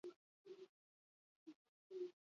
Euskarari buruzkoa izan zen horietako bat.